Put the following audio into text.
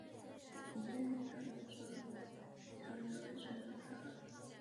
以下的列表列出北朝元魏所有的藩王。